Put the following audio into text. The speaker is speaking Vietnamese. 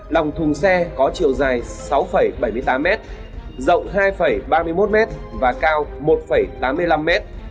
lòng thùng xe có chiều dài sáu bảy mươi tám m rộng hai ba mươi một m và cao một tám mươi năm m